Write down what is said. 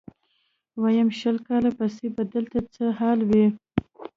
ويم شل کاله پس به دلته څه حال وي.